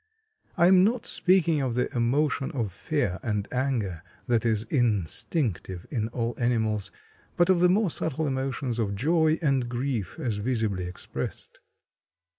I am not speaking of the emotion of fear and anger that is instinctive in all animals, but of the more subtle emotions of joy and grief as visibly expressed.